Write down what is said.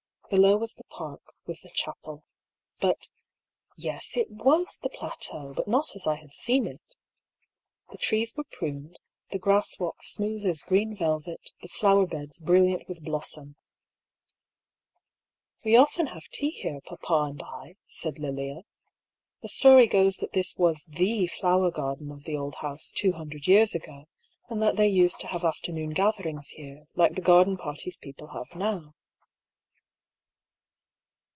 Below was the park, with the chapel. But — yes, it was the plateau, but not as I had seen it. The trees were pruned, the grass walks smooth as green velvet, the flower beds brilliant with blossom. 54 DR. PAULL'S THEORY. We often have tea here, papa and I," said Lilia. The stoiy goes that this was the flower garden of the old house two hundred years ago, and that they used to have afternoon gatherings here, like the garden parties people have now."